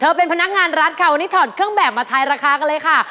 เป็นพนักงานรัฐค่ะวันนี้ถอดเครื่องแบบมาทายราคากันเลยค่ะ